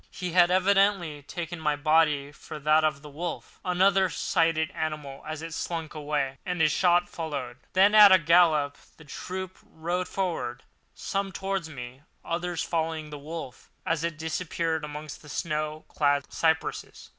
He had evidently taken my body for that of the wolf. Another sighted the animal as it slunk away, and a shot followed. Then, at a gallop, the troop rode forward—some towards me, others following the wolf as it disappeared amongst the snow clad cypresses.